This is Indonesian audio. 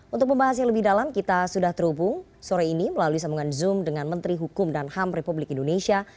untuk membahas yang lebih dalam kita sudah terhubung sore ini melalui sambungan zoom dengan menteri hukum dan ham republik indonesia